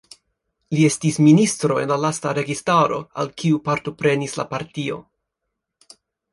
Li estis ministro en la lasta registaro al kiu partoprenis la partio.